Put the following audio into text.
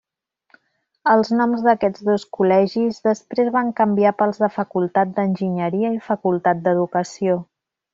Els noms d'aquests dos col·legis després van canviar pels de Facultat d'Enginyeria i Facultat d'Educació.